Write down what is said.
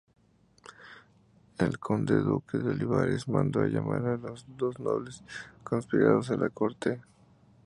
El conde-duque de Olivares mandó llamar a los dos nobles conspiradores a la corte.